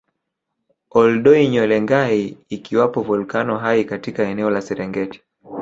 Ol Doinyo Lengai ikiwapo volkeno hai katika eneo la Serengeti